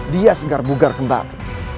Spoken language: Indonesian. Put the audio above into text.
dia segar bugar kembali